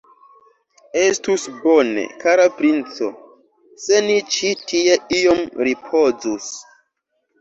Estus bone, kara princo, se ni ĉi tie iom ripozus.